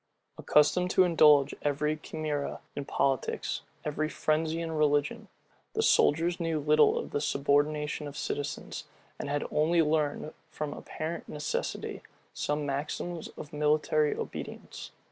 Accustomed to indulge every chimera in politics, every frenzy in religion, the soldiers knew little of the subordination of citizens, and had only learned, from apparent necessity, some maxims of military obedience.